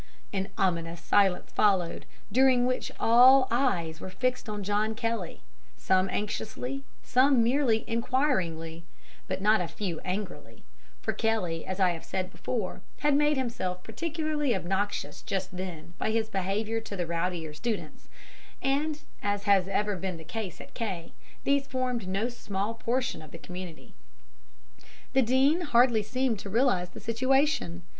"An ominous silence followed, during which all eyes were fixed on John Kelly, some anxiously, some merely enquiringly, but not a few angrily, for Kelly, as I have said before, had made himself particularly obnoxious just then by his behaviour to the rowdier students; and, as has ever been the case at K., these formed no small portion of the community. "The Dean hardly seemed to realize the situation.